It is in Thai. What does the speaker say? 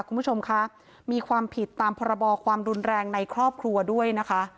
คุณผู้ชมคะมีความผิดตามพรบความรุนแรงในครอบครัวด้วยนะคะ